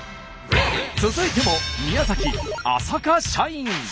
続いても宮崎浅香社員。